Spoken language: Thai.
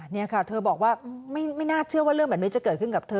นี่ค่ะเธอบอกว่าไม่น่าเชื่อว่าเรื่องแบบนี้จะเกิดขึ้นกับเธอ